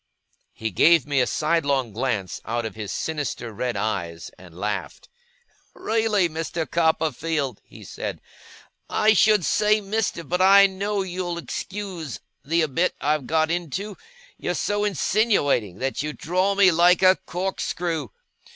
He gave me a sidelong glance out of his sinister red eyes, and laughed. 'Really, Master Copperfield,' he said, ' I should say Mister, but I know you'll excuse the abit I've got into you're so insinuating, that you draw me like a corkscrew!